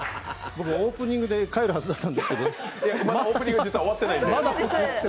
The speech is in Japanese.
僕、オープニングで帰るはずだったんですけど。オープニング実は終わってないので。